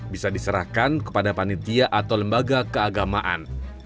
bisa diserahkan kepada panitia atau lembaga keagamaan